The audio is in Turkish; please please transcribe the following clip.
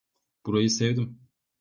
Burayı sevdim.